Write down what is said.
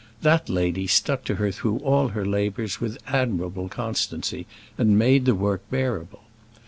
That lady stuck to her through all her labours with admirable constancy, and made the work bearable.